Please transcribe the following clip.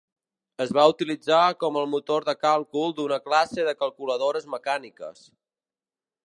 Es va utilitzar com el motor de càlcul d'una classe de calculadores mecàniques.